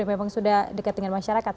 memang sudah dekat dengan masyarakat